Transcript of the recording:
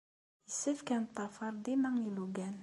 Yessefk ad neḍḍafar dima ilugan.